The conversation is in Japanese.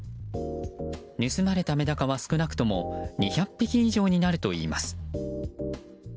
盗まれたメダカは少なくとも２００匹以上になるといいます。